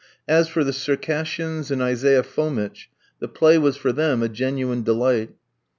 As for the Circassians and Isaiah Fomitch, the play was for them a genuine delight.